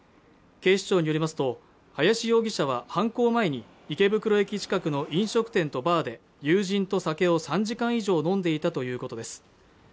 警視庁によりますと林容疑者は犯行前に池袋駅近くの飲食店とバーで友人と酒を３時間以上飲んでいたということです